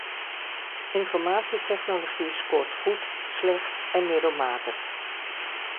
Informatietechnologie scoort goed, slecht en middelmatig.